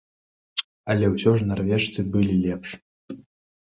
Але ўсё ж нарвежцы былі лепш.